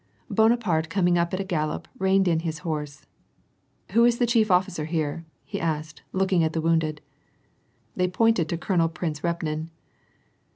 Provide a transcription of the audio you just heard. Bonaparte coming up at a gallop reined in his horse. Who is the chief officer here ?" he asked, looking at the Toonded. They pointed to Colonel Prince Repnin.